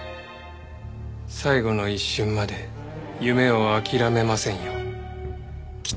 最後の一瞬まで夢を諦めませんよ。